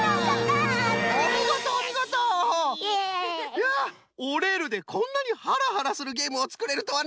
いや「おれる」でこんなにハラハラするゲームをつくれるとはな。